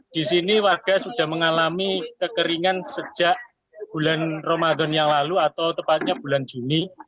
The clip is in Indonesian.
di sini warga sudah mengalami kekeringan sejak bulan ramadan yang lalu atau tepatnya bulan juni